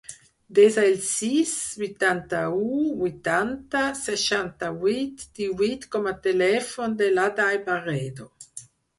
Desa el sis, vuitanta-u, vuitanta, seixanta-vuit, divuit com a telèfon de l'Aday Barredo.